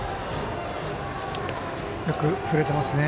よく振れていますね。